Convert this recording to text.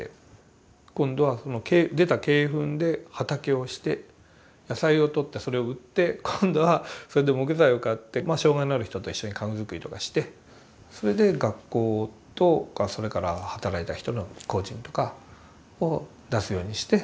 今度はその出た鶏ふんで畑をして野菜を取ってそれを売って今度はそれで木材を買って障害のある人と一緒に家具作りとかしてそれで学校とかそれから働いた人の工賃とかを出すようにして。